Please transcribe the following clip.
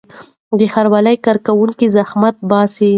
د ښاروالۍ کارکوونکي زحمت باسي.